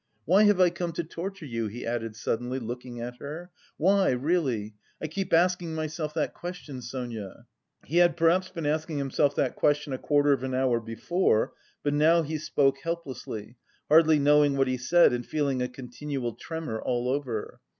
"Why have I come to torture you?" he added suddenly, looking at her. "Why, really? I keep asking myself that question, Sonia...." He had perhaps been asking himself that question a quarter of an hour before, but now he spoke helplessly, hardly knowing what he said and feeling a continual tremor all over.